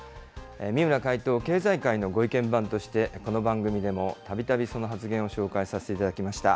三村会頭、経済界のご意見番として、この番組でもたびたびその発言を紹介させていただきました。